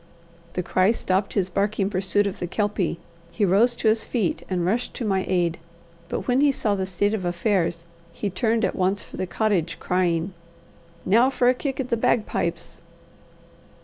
The cry stopped his barking pursuit of the Kelpie. He rose to his feet and rushed to my aid. But when he saw the state of affairs, he turned at once for the cottage, crying: "Now for a kick at the bagpipes!"